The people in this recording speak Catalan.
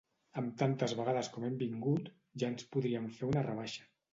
Amb tantes vegades com hem vingut, ja ens podrien fer una rebaixa.